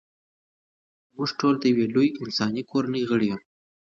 موږ ټول د یوې لویې انساني کورنۍ غړي یو.